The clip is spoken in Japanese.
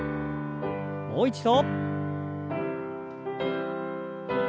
もう一度。